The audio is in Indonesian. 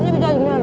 ini bisa denger